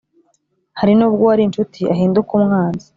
Hari n’ubwo uwari incuti ahinduka umwanzi,